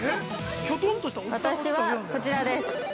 ◆私は、こちらです。